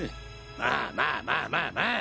まあまあまあまあまあ！